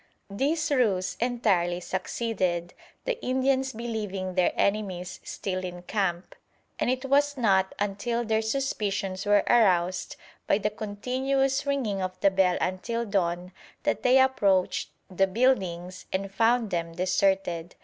This ruse entirely succeeded, the Indians believing their enemies still in camp; and it was not until their suspicions were aroused by the continuous ringing of the bell until dawn that they approached the buildings and found them deserted.